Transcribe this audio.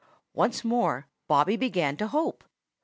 Once more Bobby began to hope.